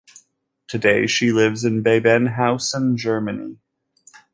Today she lives in Bebenhausen, Germany.